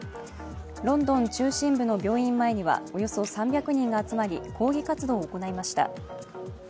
ロンドン中心部の病院前にはおよそ３００人が集まり抗議活動を行いました。